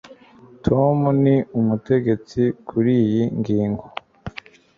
Tom ni umutegetsi kuriyi ngingo